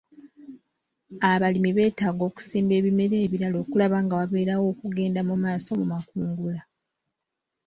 Abalimi beetaaga okusimba ebimera ebirala okulaba nga wabeerawo okugenda mu maaso mu makungula .